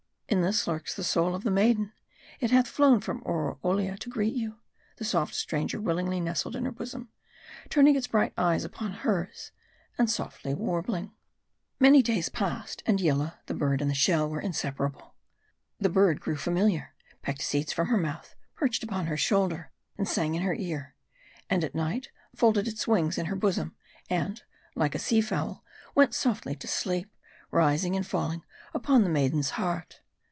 " In this, lurks the soul of a maiden ; it hath flown from Oroolia to greet you." The soft stranger willingly nestled in her bosom ; turning its bright eyes upon hers, and softly warbling. Many days passed ; and Yillah, the bird, and the shell were inseparable. The bird grew familiar ; pecked seeds from her mouth ; perched upon her shoulder, and sang in her ear ; and at night, folded its wings in her bosom, and, like a sea fowl, went softly to sleep : rising and falling upon the maiden's heart.